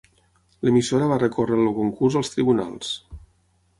L'emissora va recórrer el concurs als tribunals.